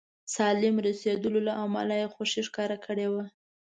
سالم رسېدلو له امله خوښي ښکاره کړې وه.